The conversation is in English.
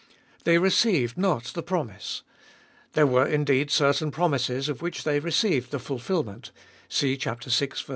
They received not the promise. There were indeed certain promises of which they received the fulfilment (see vi.